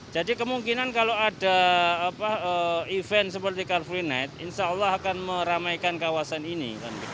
jadi kemungkinan kalau ada event seperti car free night insya allah akan meramaikan kawasan ini